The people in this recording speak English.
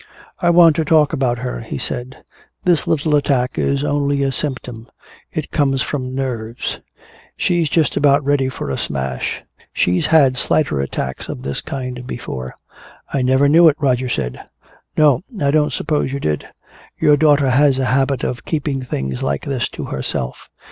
"I want to talk about her," he said. "This little attack is only a symptom it comes from nerves. She's just about ready for a smash. She's had slighter attacks of this kind before." "I never knew it," Roger said. "No I don't suppose you did. Your daughter has a habit of keeping things like this to herself.